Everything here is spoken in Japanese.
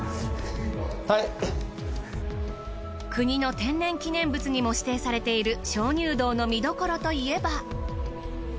国の天然記念物にも指定されている鍾乳洞の見どころといえば。